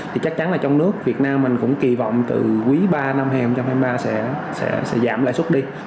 thì chắc chắn là trong nước việt nam mình cũng kỳ vọng từ quý ba năm hai nghìn hai mươi ba sẽ giảm lãi xuất đi